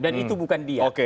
dan itu bukan dia